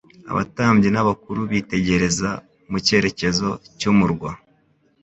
Abatambyi n'abakuru bitegereza mu cyerekezo cy'umurwa